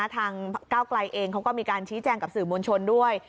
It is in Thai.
ทางก้าวไกลเองเขาก็มีการชี้แจงกับสื่อมวลชนด้วย